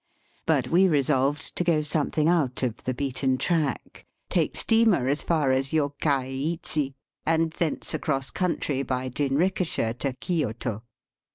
But we resolved to go something out of the beaten track, take steamer as far as Yokkaichi, and thence across country by jinrikisha to Eaoto.